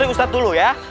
ustazah dulu ya